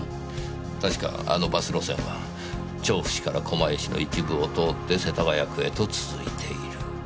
確かあのバス路線は調布市から狛江市の一部を通って世田谷区へと続いている。